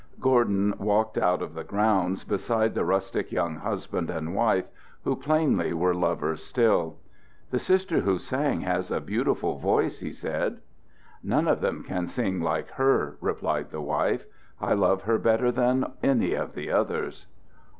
Gordon walked out of the grounds beside the rustic young husband and wife, who plainly were lovers still. "The Sister who sang has a beautiful voice," he said. "None of them can sing like her," replied the wife. "I love her better than any of the others."